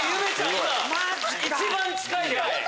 今一番近いです。